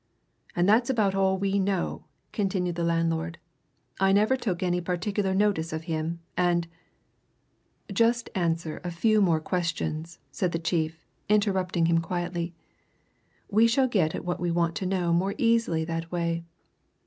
"And that's about all we know," continued the landlord. "I never took any particular notice of him, and " "Just answer a few questions," said the chief, interrupting him quietly. "We shall get at what we want to know more easily that way.